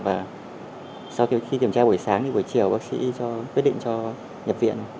và sau khi kiểm tra buổi sáng thì buổi chiều bác sĩ cho quyết định cho nhập viện